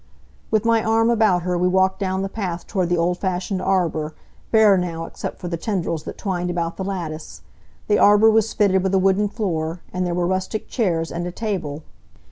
With my arm about her we walked down the path toward the old fashioned arbor, bare now except for the tendrils that twined about the lattice. The arbor was fitted with a wooden floor, and there were rustic chairs, and a table.